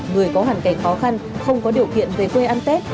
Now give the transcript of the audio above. người có hoàn cảnh khó khăn không có điều kiện về quê ăn tết